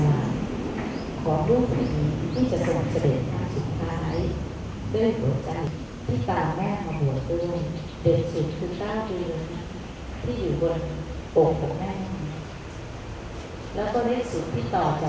ว่าเราจะเป็นคนไทยที่ได้เป็นภาพของความเป็นเร็วเป็นคนไทยที่รักลาครับโทษทะและโหมะ